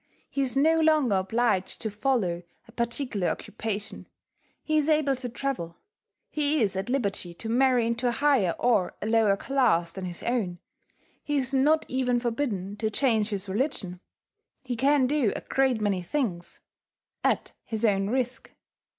He is no longer obliged to follow a particular occupation; he is able to travel; he is at liberty to marry into a higher or a lower class than his own; he is not even forbidden to change his religion; he can do a great many things at his own risk.